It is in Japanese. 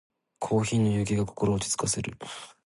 コーヒーの湯気が心を落ち着かせる。